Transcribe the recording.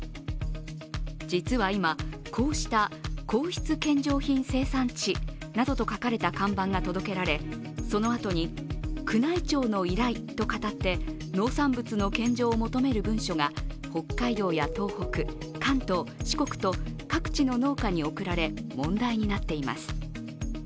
実は今、こうした皇室献上品生産地などと書かれた看板が届けられそのあとに宮内庁の依頼とかたって農産物の献上を求める文書が北海道や東北、関東、四国と各地の農家に送られ問題となっています。